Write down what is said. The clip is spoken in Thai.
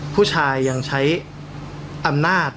ผู้ชายยังใช้อำนาจ